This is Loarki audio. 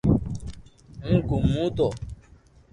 ھون گومو